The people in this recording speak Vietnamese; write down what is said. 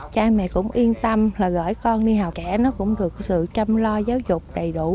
cha mẹ cũng yên tâm là gửi con đi hào trẻ nó cũng được sự chăm lo giáo dục đầy đủ